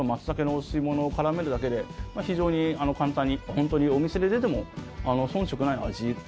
お吸いものを絡めるだけで、非常に簡単に本当に店で出ても遜色ない味。